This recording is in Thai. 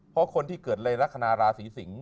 เพราะคนที่เกิดในลักษณะราศีสิงศ